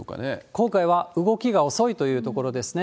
今回は、動きが遅いというところですね。